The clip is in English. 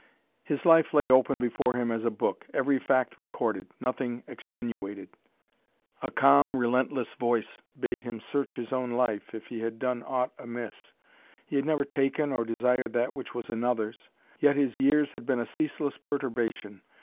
His life lay open before him as a book, every fact recorded, nothing extenuated. A calm, relentless voice bade him search his own life, if he had done aught amiss. He had never taken or desired that which was another's. Yet his years had been a ceaseless perturbation.